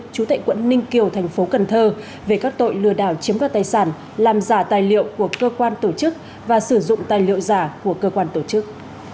chú tệ quận ninh kiều tp cn về các tội lừa đảo chiếm các tài sản làm giả tài liệu của cơ quan tổ chức và sử dụng tài liệu giả của cơ quan tổ chức